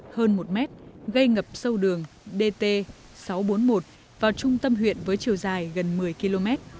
hơn một mét gây ngập sâu đường dt sáu trăm bốn mươi một vào trung tâm huyện với chiều dài gần một mươi km